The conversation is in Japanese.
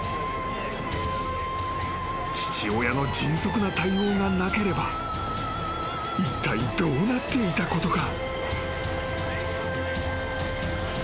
［父親の迅速な対応がなければいったいどうなっていたことか？］